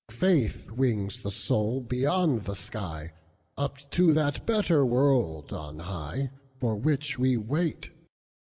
Faith wings the soul beyond the sky, Up to that better world on high, For which we wait.